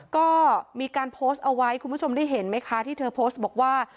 ก็มีการโพสต์เอาไว้คุณผู้ชมได้เห็นไหมคะที่เธอโพสต์บอกว่า